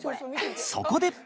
そこで。